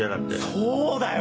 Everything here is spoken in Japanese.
そうだよ！